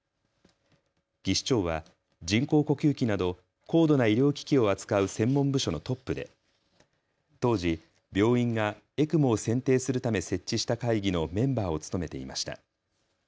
技士長は人工呼吸器など高度な医療機器を扱う専門部署のトップで当時、病院がＥＣＭＯを選定するため設置した会議のメンバーを務めていました。